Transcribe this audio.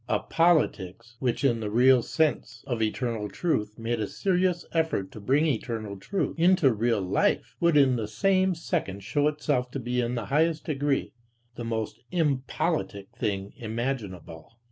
A politics, which in the real sense of "eternal truth" made a serious effort to bring "eternal truth" into real life, would in the same second show itself to be in the highest degree the most "impolitic" thing imaginable.